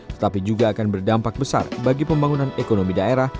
tetapi juga akan berdampak besar bagi pembangunan ekonomi daerah